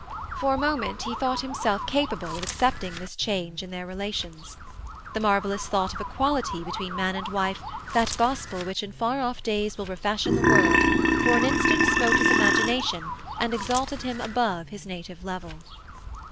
For a moment he thought himself capable of accepting this change in their relations. The marvellous thought of equality between man and wife, that gospel which in far off days will refashion the world, for an instant smote his imagination and exalted him above his native level.